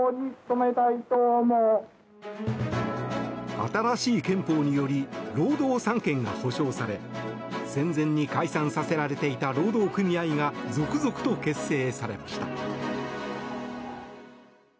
新しい憲法により労働三権が保障され戦前に解散させられていた労働組合が続々と結成されました。